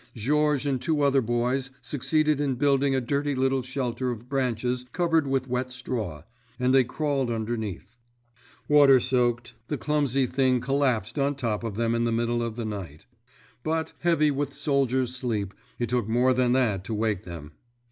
Georges and two other boys succeeded in building a dirty little shelter of branches covered with wet straw, and they crawled underneath. Water soaked, the clumsy thing collapsed on top of them in the middle of the night; but, heavy with soldiers' sleep, it took more than that to wake them.